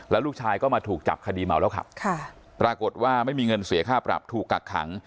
ลูกชายก็มาถูกจับคดีเมาแล้วขับปรากฏว่าไม่มีเงินเสียค่าปรับถูกกักขัง